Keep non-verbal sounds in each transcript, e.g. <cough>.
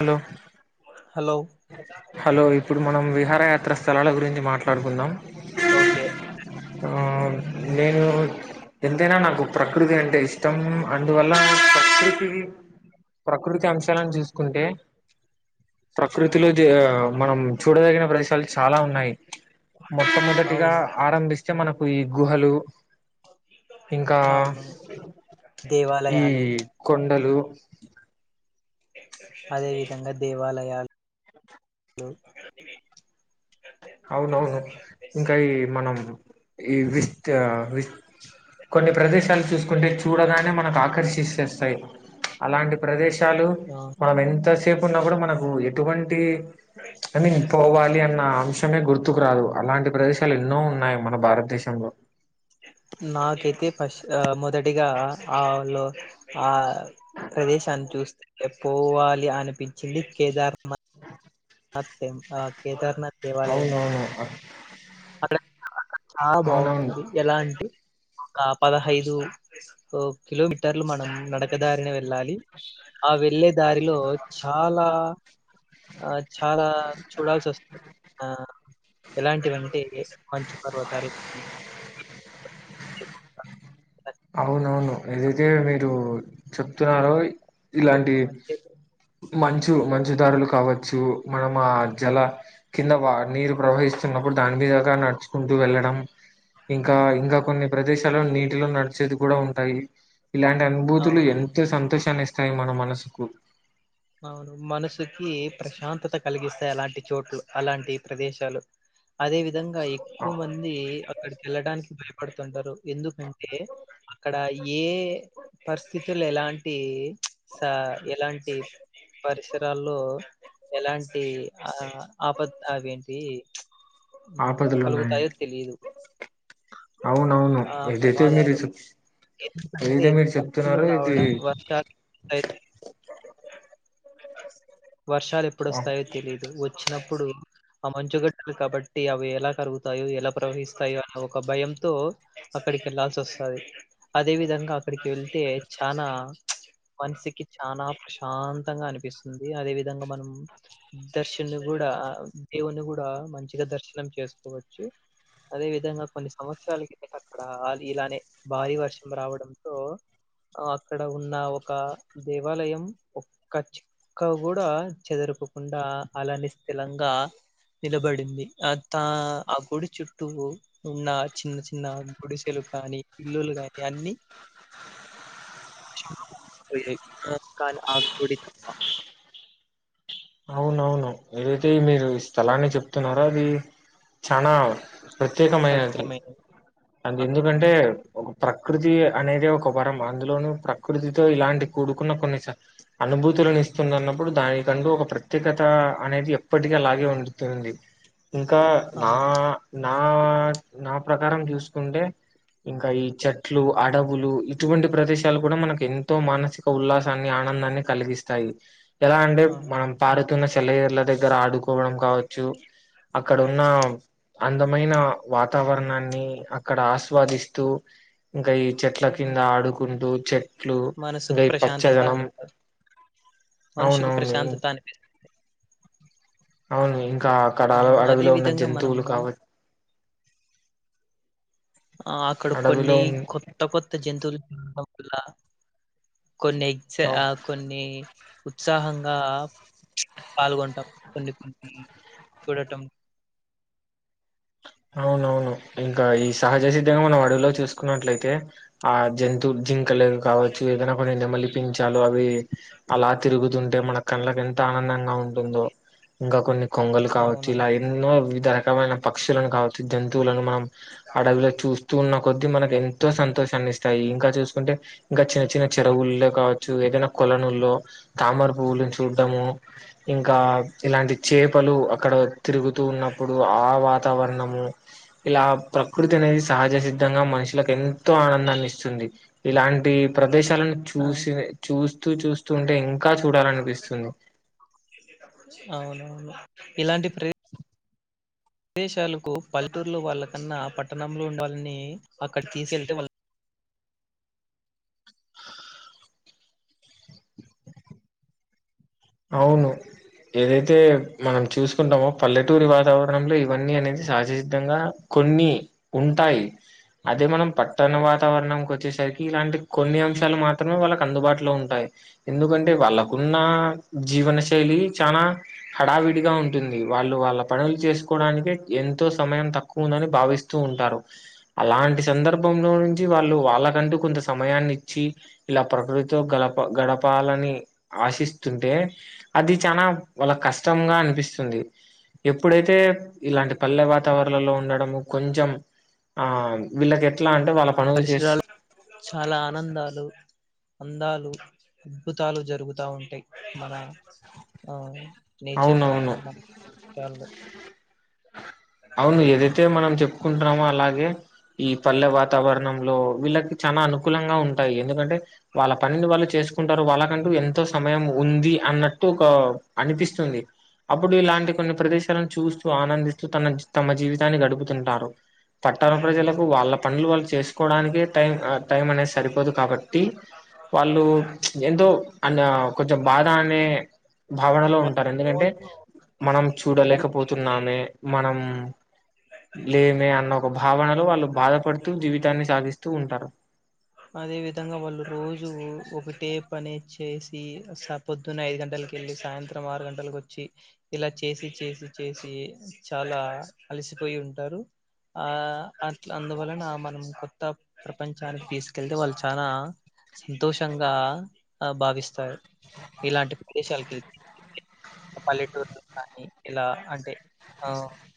Hello hello hello ఇప్పుడు మనం విహారయాత్ర స్థలాల గురించి మాట్లాడుకుందాం ఓకే ఆ నేను ఎంతైనా నాకు ప్రకృతి అంటే ఇష్టం అందువల్ల ప్రకృతి ప్రకృతి అంశాలను చూసుకుంటే ప్రకృతిలోది మనం చూడదగిన ప్రదేశాలు చాలా ఉన్నాయి మొట్టమొదటిగా అవును ఆరంభిస్తే మనం ఈ ఈ గుహలు ఇంకా అవును ఈ దేవాలయాలు కొండలు <inaudible> అదే విధంగా దేవాలయాలు అవునవును ఇంకా ఈ మనం ఈ విస్త వి కొన్ని ప్రదేశాలు చూసుకుంటే చూడగానే మన ఆకర్షిస్తేస్తాయి అలాంటి ప్రదేశం చాలు ఆ, మనం ఎంతసేపు ఉన్నా కూడా మనకు ఎటువంటి కానీ పోవాలి అన్న అంశం మే గుర్తుకు రాదు అలాంటి ప్రదేశాలు ఎన్నో ఉన్నాయి మన భారతదేశంలో నాకైతే ఫస్ట్ మొదటిగా ఆ లో ఆ ప్రదేశాన్ని చూస్తే పోవాలి అనిపించింది కేదార్ <unintelligible> ఆ కేదారనాథ్ అవునవును అక్కడ చాలా అవునవును బాగుంది ఎలా అంటే ఆ పదహైదు ఉ కిలోమీటర్ టర్లు మనం నడక దారిన వెళ్ళాలి ఆ వెళ్ళే దారిలో చాలా ఆ చాలా చూడాల్సి వస్తుంది ఎలాంటివంటే ఐస్ మంచూపర్వతాలు అవునవును ఏదైతే మీరు చెప్తున్నారో ఒక్క ఇలాంటివి మధ్య మంచు మంచు దారులు కావచ్చు మనం ఆ జల కింద వా నీరు ప్రవహిస్తున్నప్పుడు దాని మీదగా నడుచుకుంటూ వెళ్ళడం ఇంకా ఇంకా కొన్ని అవునవును ప్రదేశాలు నీటిలో నడిచేది కూడా ఉంటాయి ఇలాంటి అనుభూతులు అవునవును ఎంతో సంతోషాన్ని ఇస్తాయి మన మనసుకు అవును మనసుకి ప్రశాంతత కలిగిస్తాయి అలాంటి చోట్లు అలాంటి ప్రదేశాలు అదే విధంగా ఆ ఎక్కువ మంది అక్కడికి వెళ్ళడానికి భయపడుతుంటారు ఎందుకంటే అక్కడ ఈ ఏ పరిస్థితులు ఎలాంటి స ఎలాంటి పరిసరాల్లో ఎలాంటి ఆ ఆపద్ అవేంటి ఉమ్ ఆపదలు కలుగుతాయో ఉన్నాయండి తెలిదు. అవునవును ఇదైతేమీ రీజన్ ఎందుకంటే <unintelligible> రావడా వర్షాలు అయ్ వర్షాలు ఆ ఎప్పుడొస్తాయో తెలీదు వచ్చినప్పుడు ఆ మంచుగడ్డలు కాబట్టి అవి ఎలా కరుగుతాయో, ఎలా ప్రవహిస్తాయో అనే ఒక భయంతో అక్కడికి వెళ్లాల్సి వస్తది అదే విధంగా అక్కడికి వెళ్తే చానా మనసుకి చాలా ప్రశాంతంగా అనిపిస్తుంది. అదే విధంగా మనం దర్శన్ని గూడా ఆ దేవున్ని గూడా మంచిగా దర్శనం చేసుకోవచ్చు. అదే విధంగా కొన్ని సంవత్సరాలకి దట అక్కడ ఆల్ ఇలానే భారీ వర్షం రావడంతో అక్కడ ఉన్న ఒక దేవాలయం ఒక్క చుక్క గూడా చెదురు పోకుండా అలానే స్థితిలంగా నిలబడింది. అంతా ఆ గుడి చుట్టూ ఉన్న చిన్న చిన్ న్న గుడిసెలు కానీ పిల్లలు గానీ అన్ని వర్షంలో మునిగిపోయాయి కానీ ఒక్క ఆ గుడి తప్ప ఏంటి మీరు స్థలాన్ని చెప్తున్నారా అది చానా ప్రత్యేకమైనది, పవిత్రమైనది అంత ఆ, ఎందుకంటే అవును ప్రకృతి అనేది ఒక వరం అందులోను ప్రకృతితో ఇలాంటి కూడుకున్న కొన్ని స అనుభూత్ భూతుల నిస్తుంది అన్నప్పుడు దానికంటూ ఒక ప్రత్యేకత అనేది ఎప్పటికి అలాగే ఉంటుంది ఇంకా నా అవును నా <unintelligible> నా ప్రకారం చూసుకుంటే ఇంకా ఈ చెట్లు అడవులు ఇటువంటి ప్రదేశాలు గూడా మనకి ఎంతో మానసిక ఉల్లాసాన్ని ఆ నందాన్ని కలిగిస్తాయి, ఎలా అంటే ఆ, మనం పారుతున్న సెలయేర్ల దగ్ దగ్గర ఆడుకోవడం కావచ్చు, అక్కడ ఉన్న అన్ దమైన వాతావరణాన్ని అక్కడ ఆస్వాదిస్తూ ఇంకా ఈ చెట్ల కింద అవును ఆడుకుంటూ చెట్ ట్లు మనసుకు ఇంకా ఈ ప్రశాంతత పచ్చదనం అను మనుషుకు అవునవును ఇన్ ప్రశాంతత అనిపిస్తుంది అవును ఇంకా అక్కడ ఆ, అడ్ అదే అడవిలో ఉన్న విధంగా మనం జంతువులు కావ ఆ అక్కడ కొన్ని ఉన్ కొత్త కొత్త జంతువులు <unintelligible> వల్ల కొన్ని చ కొన్ని ఉత్సాహంగా పాల్గొంటాం కొన్ని కొన్ని చూడటం అవునవును ఇంకా ఈ సహజ సిద్ధంగా మనం అడవిలో చూసుకున్నట్లయితే ఆ జం తు జింకలవి కావచ్చు ఏదైనా కొన్ని నెమలి పించాలు అవి అలా తిరుగుతుంటే మన కళ్ళకు ఎంత ఆనందంగా ఉం టుందో ఇంకా కొన్ని కొంగలు కావచ్చు ఇలా అవునవును. ఎన్నో వివిధ రకమైన పక్ష్ క్షులను కావచ్చు జంతువులను మనం అడవిలో చూస్తూ ఉన్న కొద్ది మనకి ఎంతో సంతోషాన్ని ఇస్ స్తాయి ఇంకా చూసుకుంటే ఇంకా చిన్న చిన్న చెరువుల్లో కావచ్చు ఏదైనా కొలనుల్లో తామర పువ్వులు చూడ్డము ఇంకా ఇలాంటి చేపలు అక్కడ తిరుగుతూ ఉన్నప్పుడు ఆ వాతావరణము ఇలా ప్రకృతి అనేది సహజ సిద్ధంగా మనుషులకు ఎంతో ఆనందాన్ని ఇస్తుంది ఇలాంటి ప్రదేశాలను ఆ! చూసి చూస్తూ చూస్తూ ఉంటే ఇం అవునవును ఇలాంటి ప్ర విదేశాలకు పల్లెటూరులో వాళ్ళకన్నా పట్టణంలో ఉండే వాళ్లని అక్కడికి తీసుకెళ్తే వాళ్ అవును ఏదైతే మనం చూసుకుంటామో పల్లెటూరి వాతావరణంలో ఇవన్నీ అనేది సహజసిద్ధంగా కొన్ని ఉంటాయి అదే మనం పట్టణ వాతావరణంనికి వచ్చేసరికి ఇలాంటి కొన్ని అంశాలు మాత్రమే వాళ్ళకి అందుబాటులో ఉంటాయి ఎందుకంటే వాళ్ళకున్న జీవన శైలి చాలా హడావిడిగా ఉంటుంది వాళ్ళు వాళ్ళ పనులు చేసుకోవడానినికిే ఎ ఎంతో సమయం తక్కువ ఉందని భావిస్తూ ఉంటారు అలాంటి సందర్భంలో నుంచి వాళ్ళు వాళ్ళకంటే కొంత సమయాన్ని ఇచ్చి ఇలా ప్రకృతితో గడప గడపాలని ఆశిస్తుంటే అది చాల వాళ్ళ కష్టంగా అనిపిస్తుంది ఎప్పుడైతే ఇలాంటి పల్లె వాతావరణంలో ఉండడము కొంచెం ఆ వీళ్ళకి ఎట్లా అంటే వాళ్ళ పనులు చేస్ పరిసరాలు చాలా ఆనందాలు అందాలు అద్భుతాలు జరుగుతా ఉంటాయి మన ఆ నేచ ఆయ అవునవును కాు అవును ఏదైతే మనం చెప్పుకుంటున్నామో అలాగే ఈ పల్లె వాతావరణంలో వీళ్ళ చాలా అనుకూలంగా ఉంటాయి ఎందుకంటే వాళ్ళ పనిని వాళ్ళు చేసు కుంటారు వాళ్ళకంటూ ఎంతో సమయం ఉంది అన్నట్టు ఒక అనిపిస్తుంది అప్పుడు ఇలాంటి కొన్ని ప్రదేశాలను చూస్తూ ఆనందిస్తూ తన తమ జీవితాన్ని గడుపుతుంటారు పట్టణ అవునవును. ప్రజలకు వాళ్ళ పనులు వాళ్ళు చేసుకోవడానికే టైం టైం అనేది సరిపోదు కాబట్టి ట్టి వాళ్ళు ఆ! ఎంతోో అన్న కొంచెం బాధ అనే భావనలో వాళ్ళు ఉంటారు ఎందుకంటే రోజు మనం చూడలేకపోతున్నామే మనం లేమే అన్న ఒక భావనలో వాళ్ళు బాధపడుతూ జీవితాన్ని సాగిస్త వస్తూ ఉంటారు అదే విధంగా వాళ్ళు రోజు ఒకటే పనేచ్చేసి పొద్దున్న ఐదు గంటల వెళ్ళి సాయంత్రం ఆరు గంటలకి వచ్చి ఇలా చేసి చేసి చేసి చాలా కలిసిపోయి ఉంటారు ఆ అ అందువలన మనం కొత్త ప్రపంచానికి తీసుకు కెళ్తే వాళ్ళు చాలా సంతోషంగా భావిస్తారు ఇలాంటి ప్రదేశాలకి పల్లెటూరులో కానీ ఇలా అంటే ఆ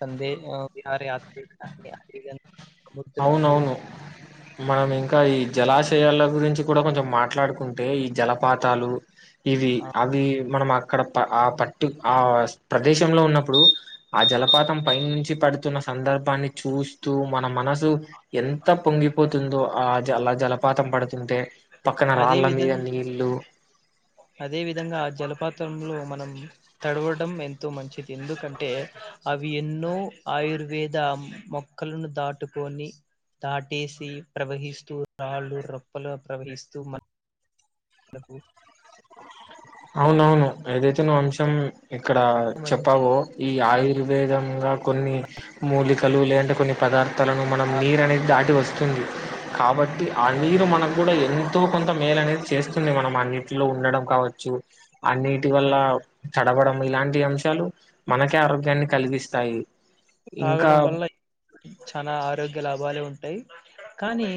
సంందే బహార యాత్ర అవునవును మనం ఇంకా ఈ జలాశయాల గురించి కూడా కొంచెం మాట్లాడుకుంటే ఈ జలపాతాలు ఇది ఆ అది మనం అక్కడ ప ఆ పట్టు ఆ ప్రదేశంలో ఉన్నప్పుడు ఆ జలపాతం పై నుంచి పడు న్న సందర్భాన్ని చూస్తూ మన మనసు ఎంత పొంగిపోతుందో ఆ జల్లా జలపాతం పడుతుంటే పక్కన అదే రాళ్ళ మీద విధంగా నీళ్ళలు అదే విధంగా జలపాతంలో మనం తడవడం ఎ మంచిది ఎందుకంటే అవి ఎన్నో ఆయుర్వేద మొక్కలను దాటుకు కొని దాటేసి ప్రవహిస్తూ రాళ్ళు రొప్పలు ప్రవహిస్తూ నాకు అవునవును ఏదైతే నువ్వు ఎంతో అంశం ఇక్కడ మంచి చెప్పావో ఈ ఆ ఆయుర్వేదంగాగా కొన్ని మూలికలు లేదంటే కొన్ని పదార్థాలను మనం నీరు అనేది దాటి వస్తుంది కాబట్టి ఆ నీరు అవును మనకు కూడా ఎంతో కొంత మేలు అనేది చేస్తుంది మనం అన్నింటిలో ఉండడం కావచ్చు అన్నిటి వల్ల చడవడం ఇలాంటి అంశాలు మనకే ఆరోగ్యాన్ని కలిగిస్తాయి ఇంకా తాగడం వల్ల చాల ఆరోగ్య లాభాలు అవ్వాల ఉంటాయి కానీ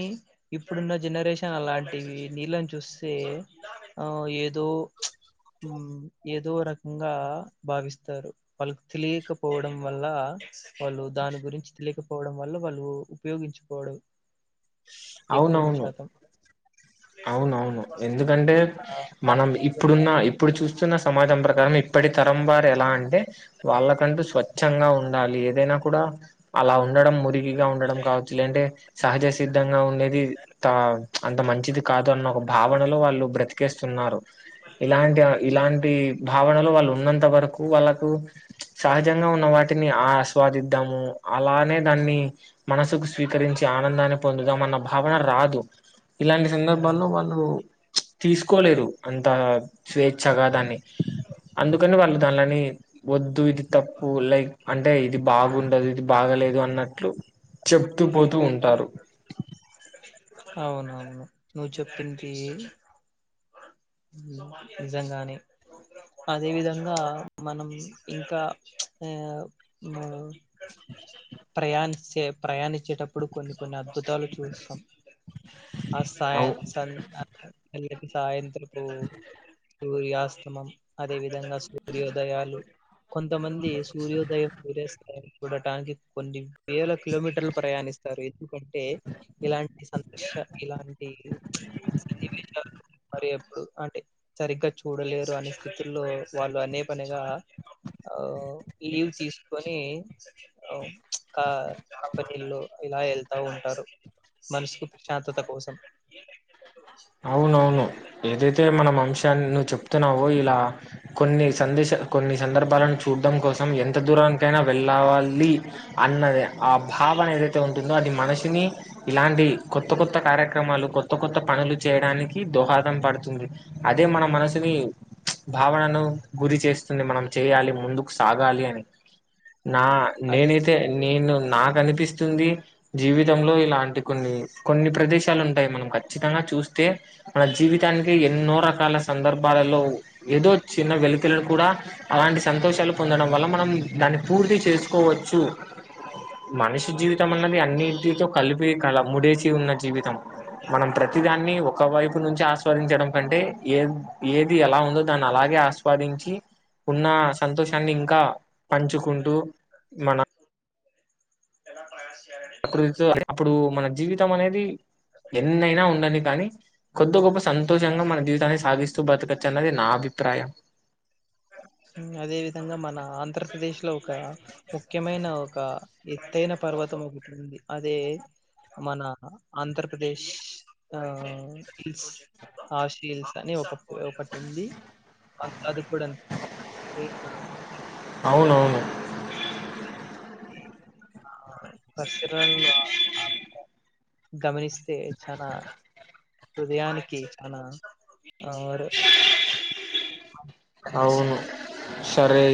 ఇప్పుడున్న జనరేషన్ అలాంటివి నీళ్ళని చూస్తే ఆ ఏదో ఏదో రకంగా భావిస్తారు వాళ్ళకి తెలియకపోవడం వల్ల వాళ్ళు దాని గురించి తెలియకపోవడం వల్ల వాళ్ళు ఉపయోగించుకోవడం ఎక్కువ అవునవును శాతం అవునవును ఇక ఎందుకంటే ఆ- మనం ఇప్పుడున్న ఇప్పుడు చూస్త కూర్చున్న సమాజం ప్రకారం ఇప్పటి తరం వారు ఎలా అంటే వాళ్ళ కంటూ స్వచ్ఛంగా ఉండాలి ఏదైనా కూడ అలా ఉ ఉండడం మురిగిగా ఉండడం కావచ్చు లేంటే సహజ సిద్ధంగా ఉండేది అంత మంచిది అ అన్న ఒక భావనలో వాళ్ళు బ్రతికేస్తున్నారు ఇలాంటి అవును ఇలాంటి భావనలు వాళ్ళు ఉన్నంత వరకు వాళ్ళకు సహజంగా ఉన్న వాటిని ఆస్వాదిద్దాము అలానే దాన్ని మనసుకు స్వీకరించి ఆనందాన్ని పొందుదాం అన్న భావన రాదు ఇలాంటి సందర్భాల్లో అవును వాళ్ళు తీసుకోలేరు అంత స్వేచ్ఛగా దాన్ని అందుకని వాళ్ళు దన్లని వద్దు ఇది తప్పు లైక్ అంటే ఇది బాగుండదు ఇది బాగలేదు అన్నట్లు చెప్తూ పోతూ ఉంటారు అవునవును నువ్ చెప్పింది నిజంగానే అదే విధంగా మనం ఇంకా ఆ ప్రయాణించే ప్రయాణించేటప్పుడు కొన్ని కొన్ని అద్భు చూస్తాం ఆ సాయ అవు సాయంత్రం సూర్యాస్తమం అదే విధంగా సూర్యోదయాలు కొంతమంది సూర్యోదయం సూర్యాస్తయం చూడటానికి కొన్ని వేల కిలోమీటర్లు ప్రయాణిస్త స్త ఎందుకంటే ఇలాంటి సంతోష ఇలాంటి సన్నివేశాలు మరి ఎప్పుడు అంటే సరిగ్గా చూడలేరు అనే స్థితుల్లో వాళ్ళు అనే పనిగా ఆ లీవ్ తీసుకొని కంపెనీలో ఇలా వెళ్తా ఉంటారు మనసుకు ప్రశాంతత కోసం అవునవును ఏదై అయితే మనం అంశాన్ని నువ్వు చెప్తున్నావో ఇలా కొన్ని స కొన్ని సందర్భాలను చూడడం కోసం ఎ ఎంత దూరానికైనా వెళ్ళవాలి అన్నది ఆ భావన ఉంటుందో అది మనిషిని ఇలాంటి కొత్త కొత్త కార్యక్రమాలు కొత్త కొత్త పనులు చేయడానికి దోహదం పడుతుంది అదే మన మనసుని భావనను గురి చేస్ మనం చేయాలి ముందుకు సాగాలి అని నా అదే నేనైతే నేను నాకు అనిపిస్తుంది జీవితంలో ఇలాంటి కొన్ని కొన్ని ప్రదేశాలు ఉంటాయి మనం ఖచ్చితంగా చూస్తే మన జీవితానికి ఎన్నో రకాల సందర్భాలలో ఏదో చిన్న వెళతులను కూడా అలాంటి సంతోషాలు పొందడం వల్ల మనం దాన్ని పూర్తి చేసుకోవచ్చు మనిషి ఆ జీవితం అన్నది అన్నింటితో కలిపి కల ముడేసి ఉన్న జీవితం మనం ప్రతిదాన్ని ఒక వైపు నుంచి ఆస్వాదించడం కంటే ఏ ఏది ఎలా ఉందో దాన్ని అలాగే ఆస్వాదించి ఉన్న సంతోషాన్ని ఇంకా పంచుకుంటూ మన <unintelligible> ప్రకృతితో అప్పుడు మన జీవితం అనేది ఎన్నైనా ఉండనీ కానీ కొద్ద గొప్ప సంతోషంగా మన జీవితాన్ని సాగిస్తూ బ్రతకచ్చు అన్నది నా అభిప్రాయం <inaudible> అదే విధంగా మన ఆంధ్రప్రదేశ్ లో ఒక ముఖ్యమైన ఒక ఎత్తైన పర్వత ఒకటుంది అదే మన ఆంధ్రప్రదేశ్ <unintelligible> <unintelligible> హిల్స్ అని ఒకటి ఉంది అది కూడ <unintelligible> అవునవును పసరా గమనిస్త అంతే చాన హృదయానికి చాన ఆస్త అవును సరే